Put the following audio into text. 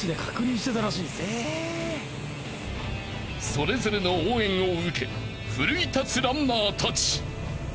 ［それぞれの応援を受け奮い立つランナーたち］